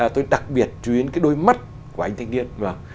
tôi đặc biệt chú ý đến cái đôi mắt của anh thanh niên